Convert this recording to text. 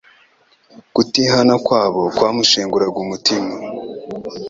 Kutihana kwabo kwamushenguraga umutima.